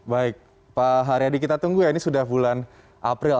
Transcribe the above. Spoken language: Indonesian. baik pak haryadi kita tunggu ya ini sudah bulan april